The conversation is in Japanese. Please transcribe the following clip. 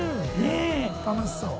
楽しそう。